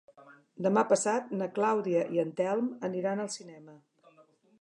Demà passat na Clàudia i en Telm aniran al cinema.